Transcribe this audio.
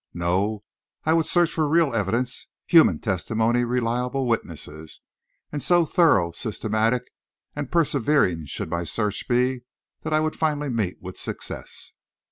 No, I would search for real evidence, human testimony, reliable witnesses, and so thorough, systematic, and persevering should my search be, that I would finally meet with success.